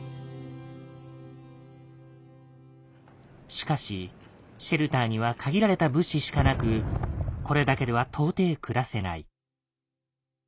しかしシェルターには限られた物資しかなくこれだけでは到底暮らせない。